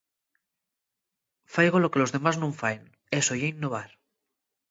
Faigo lo que los demás nun faen, eso ye innovar.